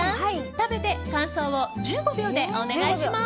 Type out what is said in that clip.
食べて感想を１５秒でお願いします。